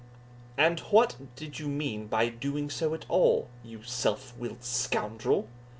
"And what did you mean by doing so at all, you self willed scoundrel?"